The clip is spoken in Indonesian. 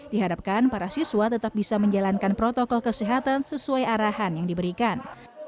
diharapkan para siswa tetap bisa menjalankan protokol kesehatan sesuai arahan yang diberikan